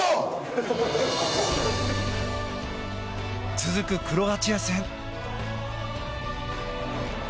続くクロアチア戦。